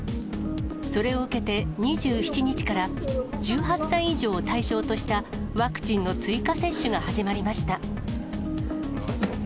それを受けて２７日から、１８歳以上を対象としたワクチンの追加接種が始まりました。